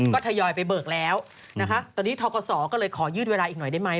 ก็ทยอยไปเบิกแล้วนะคะตอนนี้ทกศก็เลยขอยืดเวลาอีกหน่อยได้ไหม